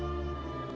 tình yêu quê hương